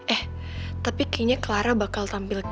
eh tapi kayaknya clara bakal tampil